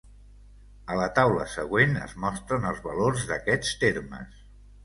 A la taula següent es mostren els valors d'aquests termes.